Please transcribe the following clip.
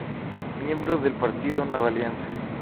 Miembro del Partido Nueva Alianza.